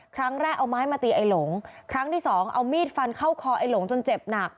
ครั้งแรกเอาไม้มาตีไอ้หลงครั้งที่สองเอามีดฟันเข้าคอไอ้หลงจนเจ็บหนัก